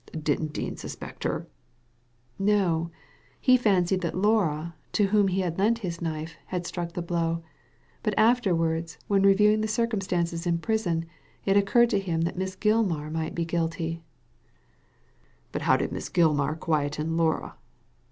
* Didn't Dean suspect her ?">*• No ; he fancied that Laura, to whom he had lent Digitized by Google THE END OF IT ALL 275 his knife, had struck the blow ; but afterwards, when reviewing the circumstances in prison, it occurred to him that Miss Gilmar might be guilty/' But how did Miss Gilmar quieten Laura